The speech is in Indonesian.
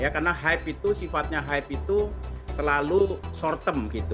karena sifatnya hype itu selalu short term